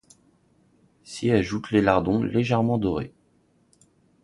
S'y ajoutent les lardons légèrement dorés.